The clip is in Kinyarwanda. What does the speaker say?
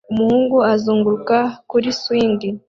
umuhungu uzunguruka kuri swing